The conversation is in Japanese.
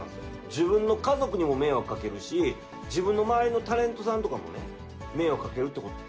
自分の家族にも迷惑かけるし、自分の周りのタレントさんとかもね、迷惑かけると。